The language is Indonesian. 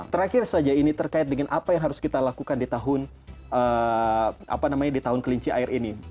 terakhir saja ini terkait dengan apa yang harus kita lakukan di tahun apa namanya di tahun kelinci air ini